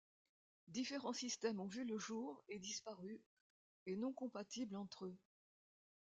Différents systèmes ont vu le jour et disparu, et non compatible entre eux.